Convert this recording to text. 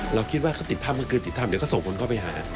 เราคิดว่าเขาติดถ้ำก็คือติดถ้ำเดี๋ยวก็ส่งคนเข้าไปหา